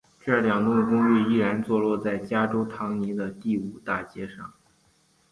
这两栋公寓依然坐落在加州唐尼的第五大街上。